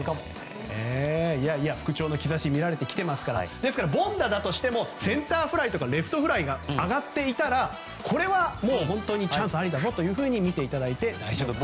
復調の兆しが見られてきていますから凡打だとしてもセンターフライとかレフトフライが上がっていたらこれは本当にチャンスありだぞと見ていただいて大丈夫と。